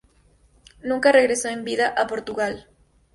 Nunca regresó en vida a Portugal.